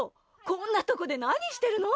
こんなとこで何してるの？